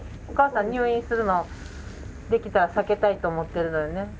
お母さん入院するのできたら避けたいって思ってるのよね？